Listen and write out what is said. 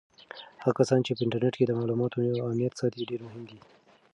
هغه کسان چې په انټرنیټ کې د معلوماتو امنیت ساتي ډېر مهم دي.